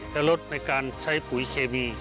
จะลดในการใช้ปุ๋ยเคมี